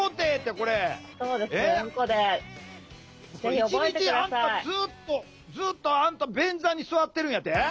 一日あんたずっとずっとあんた便座に座ってるんやて？